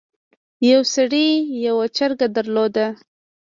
یو سړي یو چرګ درلود.